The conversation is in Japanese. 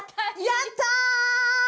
やった！